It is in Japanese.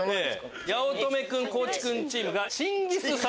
八乙女君・地君チーム。